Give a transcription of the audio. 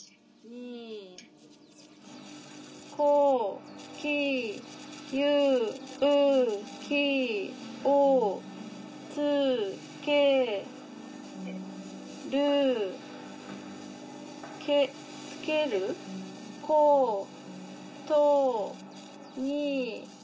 こきゆうきをつけるけつけることに。